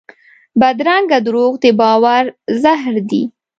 بدرنګه دروغ د باور زهر دي